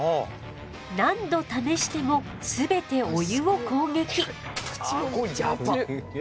何度試してもすべてお湯を攻撃。